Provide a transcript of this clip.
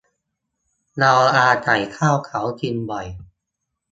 เราอาศัยข้าวเขากินบ่อย